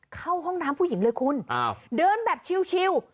เข้าห้องน้ำผู้หญิงเลยคุณเดินแบบชิล